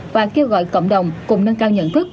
và kêu gọi cộng đồng cùng nâng cao nhận thức